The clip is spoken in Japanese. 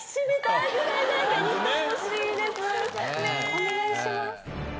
お願いします。